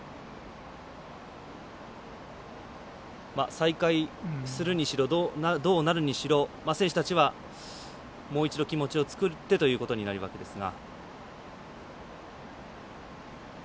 再開するにしてもどうなるにしろ選手たちは、もう一度気持ちを作ってということになるわけですが。